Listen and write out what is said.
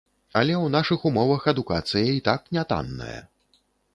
Але ў нашых умовах адукацыя і так нятанная.